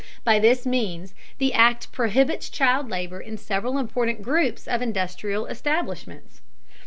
By this means the act prohibits child labor in several important groups of industrial establishments.